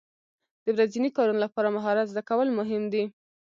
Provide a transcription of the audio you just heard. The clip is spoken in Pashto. د ورځني کارونو لپاره مهارت زده کول مهم دي.